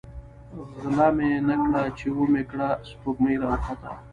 ـ غله مې نه کړه ،چې ومې کړه سپوږمۍ راوخته.